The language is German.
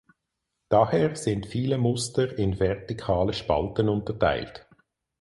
Daher sind viele Muster in vertikale Spalten unterteilt.